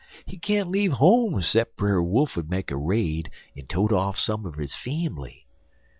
He can't leave home 'cep' Brer Wolf 'ud make a raid en tote off some er de fambly.